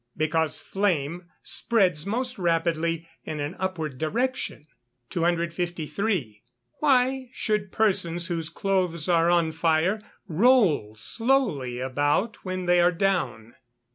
_ Because flame spreads most rapidly in an upward direction. 253. _Why should persons whose clothes are on fire roll slowly about when they are down?